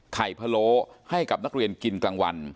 พะโล้ให้กับนักเรียนกินกลางวัน